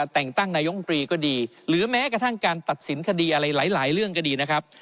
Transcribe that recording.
แต่งตั้งนายมตรีก็ดีหรือแม้กระทั่งการตัดสินคดีอะไรหลายเรื่องก็ดีนะครับ